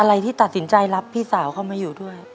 อะไรที่ตัดสินใจรับพี่สาวเข้ามาอยู่ด้วย